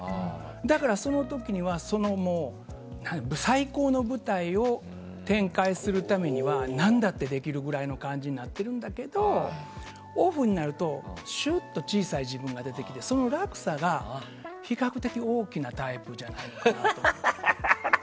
だから、その時に最高の舞台を展開するためには何だってできるくらいの感じになってるんだけどオフになると、シューっと小さい自分が出てきてその落差が比較的大きなタイプじゃないかなと。